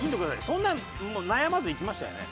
そんな悩まずいきましたよね？